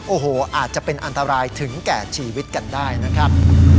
โอ้โหอาจจะเป็นอันตรายถึงแก่ชีวิตกันได้นะครับ